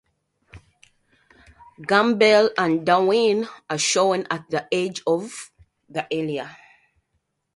Gumball and Darwin are shown at the edge of the area.